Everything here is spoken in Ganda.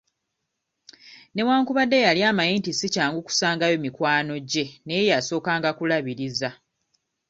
Newankubadde yali amanyi nti sikyangu kusangayo mikwano gye naye yasookanga kulabiriza